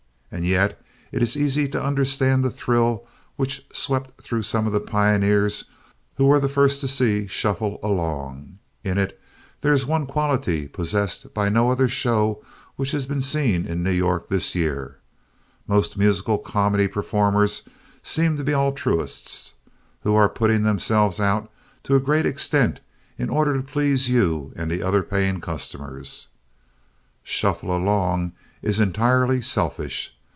And yet it is easy to understand the thrill which swept through some of the pioneers who were the first to see Shuffle Along. In it there is one quality possessed by no other show which has been seen in New York this year. Most musical comedy performers seem to be altruists who are putting themselves out to a great extent in order to please you and the other paying customers. Shuffle Along is entirely selfish.